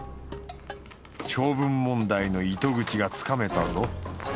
長文問題の糸口がつかめたぞ。